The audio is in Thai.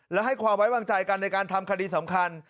และให้ความไว้วางใจกันในการทำคดีสำคัญ